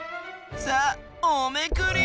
さあおめくり。